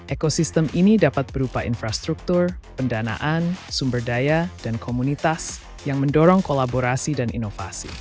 ekosistem ini dapat berupa infrastruktur pendanaan sumber daya dan komunitas yang mendorong kolaborasi dan inovasi